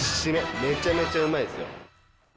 めちゃめちゃうまいですよ。